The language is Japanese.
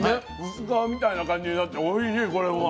薄皮みたいな感じになっておいしいこれも。